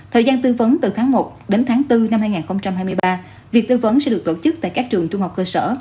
thời gian tư vấn từ tháng một đến tháng bốn năm hai nghìn hai mươi ba việc tư vấn sẽ được tổ chức tại các trường trung học cơ sở